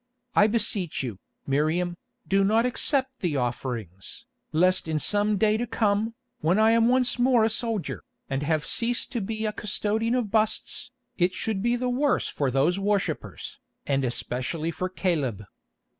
I beseech you, Miriam, do not accept the offerings, lest in some day to come, when I am once more a soldier, and have ceased to be a custodian of busts, it should be the worse for those worshippers, and especially for Caleb.